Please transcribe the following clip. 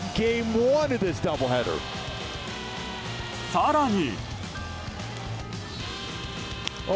更に。